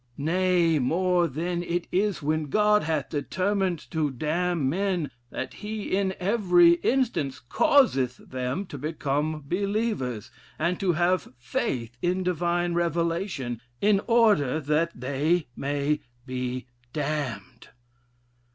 Nay more, then, it is, when God hath determined to damn men, that he, in every instance, causeth them to become believers, and to have faith in divine Revelation, in order that they may be damned.